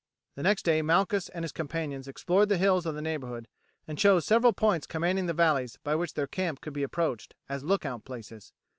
The next day Malchus and his companions explored the hills of the neighbourhood, and chose several points commanding the valleys by which their camp could be approached, as lookout places.